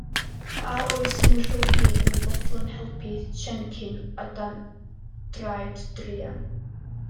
A oes unrhyw un yn fodlon helpu Siencyn a Dan Draed druan?